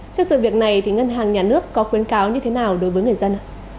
trước sự việc này thì ngân hàng nhà nước có khuyến cáo như thế nào đối với người dân